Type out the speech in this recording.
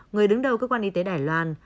người đứng đầu cơ quan y tế đài loan